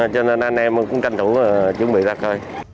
cho nên anh em cũng tranh thủ chuẩn bị ra khơi